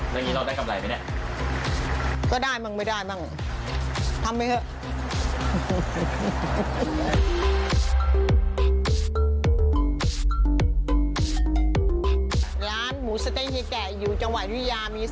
แล้วเราได้กำไรไหม